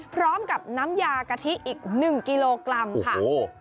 พร้อมกับน้ำยากะทิอีกหนึ่งกิโลกรัมค่ะ